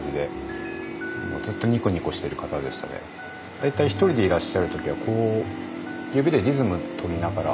大体１人でいらっしゃる時は指でリズムとりながら。